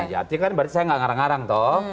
ya itu kan berarti saya enggak ngarang ngarang toh